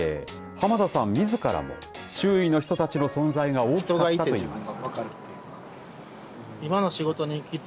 濱田さんみずからも周囲の人たちの存在が大きかったと言います。